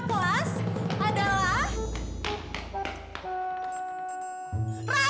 kelas adalah rama